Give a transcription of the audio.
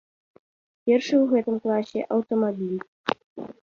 Першы ў гэтым класе аўтамабіль.